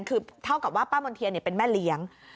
คือเท่ากับว่าป้ามณ์เทียนเป็นแม่เลี้ยง